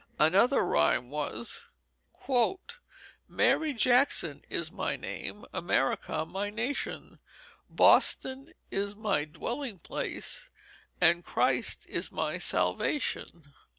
Another rhyme was: "Mary Jackson is my name, America my nation, Boston is my dwelling place, And Christ is my salvation."